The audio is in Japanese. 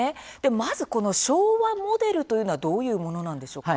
まず、この昭和モデルというのはどういうものなんでしょうか。